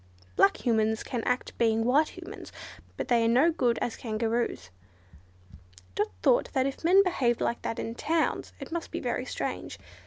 Black Humans can act being white Humans, but they are no good as Kangaroos." Dot thought that if men behaved like that in towns it must be very strange.